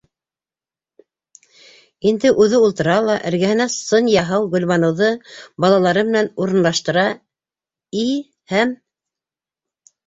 Инде үҙе ултыра ла, эргәһенә сынъяһау Гөлбаныуҙы балалары менән урынлаштыра и һәм...